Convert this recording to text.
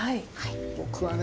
僕はね